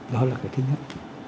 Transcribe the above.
đó là cái thứ nhất